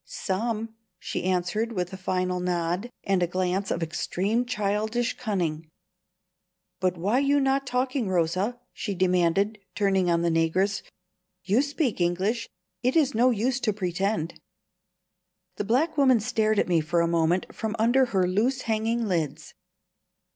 "Some," she answered, with a final nod and a glance of extreme childish cunning. "But why you not talking, Rosa?" she demanded, turning on the negress. "You speak English; it is no use to pretend." The black woman stared at me for a moment from under her loose hanging lids.